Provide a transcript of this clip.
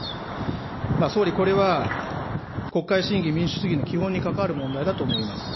総理、これは国会審議、民主主義の基本に関わる問題だと思います。